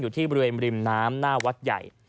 อยู่ที่บริเวณริมน้ำหน้าวัดใหญ่